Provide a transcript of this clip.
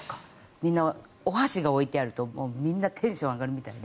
みんなお箸が置いてあるとみんなテンションが上がるみたいで。